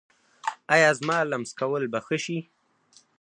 ایا زما لمس کول به ښه شي؟